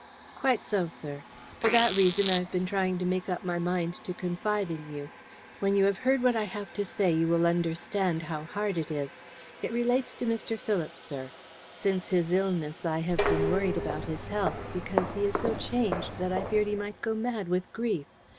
"Quite so, sir. For that reason I have been trying to make up my mind to confide in you. When you have heard what I have to say you will understand how hard it is. It relates to Mr. Philip, sir. Since his illness I have been worried about his health, because he is so changed that I feared he might go mad with grief.